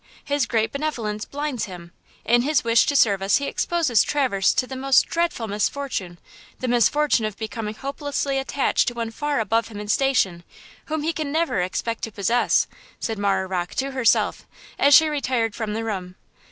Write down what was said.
His great benevolence blinds him! In his wish to serve us he exposes Traverse to the most dreadful misfortune–the misfortune of becoming hopelessly attached to one far above him in station, whom he can never expect to possess!" said Marah Rocke to herself, as she retired from the room.